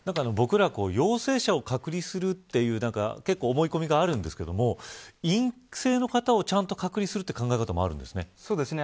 僕らは陽性者を隔離するという思い込みがあるんですけれども陰性の方をちゃんと隔離するという考え方もあるんですね。